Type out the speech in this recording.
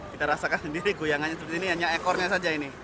kita rasakan sendiri goyangannya seperti ini hanya ekornya saja ini